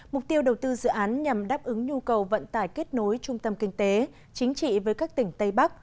mục tiêu đầu tư dự án nhằm đáp ứng nhu cầu vận tải kết nối trung tâm kinh tế chính trị với các tỉnh tây bắc